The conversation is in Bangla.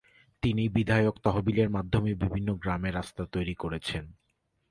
তিনি বিধায়ক তহবিলের মাধ্যমে বিভিন্ন গ্রামে রাস্তা তৈরি করেছেন।